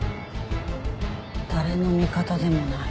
「誰の味方でもない